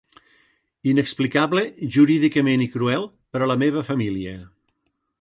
Inexplicable jurídicament i cruel per a la meva família.